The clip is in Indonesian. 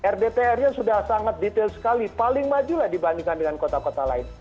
rdtr nya sudah sangat detail sekali paling maju lah dibandingkan dengan kota kota lain